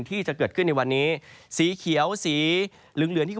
ก็จะมีการแผ่ลงมาแตะบ้างนะครับ